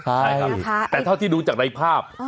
ใช่ครับแต่เท่าที่ดูจากในภาพ